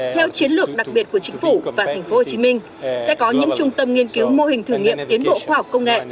theo chiến lược đặc biệt của chính phủ và tp hcm sẽ có những trung tâm nghiên cứu mô hình thử nghiệm tiến bộ khoa học công nghệ